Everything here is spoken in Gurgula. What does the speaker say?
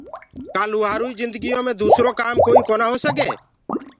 ڪآ لوهآروئي جندگيو مي دوسرو ڪوئي ڪآم ڪونآ هوسگي